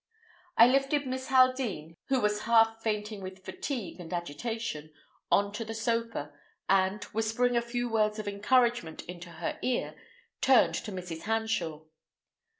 I lifted Miss Haldean, who was half fainting with fatigue and agitation, on to the sofa, and, whispering a few words of encouragement into her ear, turned to Mrs. Hanshaw.